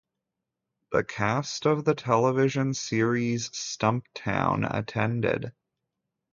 The cast of the television series "Stumptown" attended.